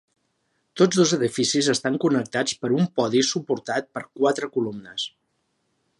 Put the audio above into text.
Tots dos edificis estan connectats per un podi suportat per quatre columnes.